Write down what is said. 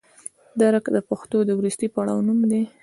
درک د پوهې د وروستي پړاو نوم دی.